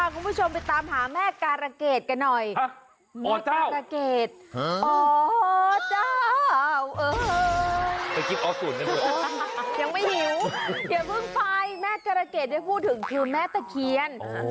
คุณผู้ชมไปตามหาแม่การะเกดกันหน่อย